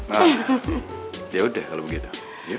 ah ya udah kalau begitu yuk